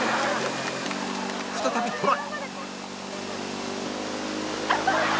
再びトライ